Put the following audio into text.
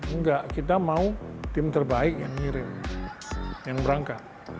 enggak kita mau tim terbaik yang ngirim yang berangkat